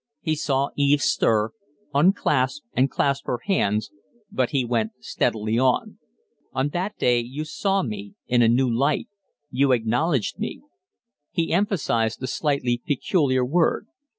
He saw Eve stir, unclasp and clasp her hands, but he went steadily on. "On that day you saw me in a new light. You acknowledged me." He emphasized the slightly peculiar word.